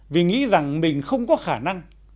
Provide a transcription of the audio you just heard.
vì nghĩ rằng mình không có khả năng